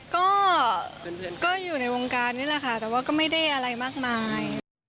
ก็อยู่ในวงการนี่แหละค่ะแต่ว่าก็ไม่ได้อะไรมากมาย